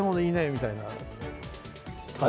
みたいな感じで。